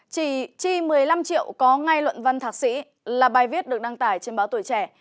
chỉ chi một mươi năm triệu có ngay luận văn thạc sĩ là bài viết được đăng tải trên báo tuổi trẻ